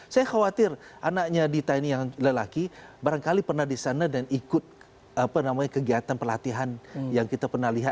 saya khawatir anaknya dita ini yang lelaki barangkali pernah di sana dan ikut kegiatan pelatihan yang kita pernah lihat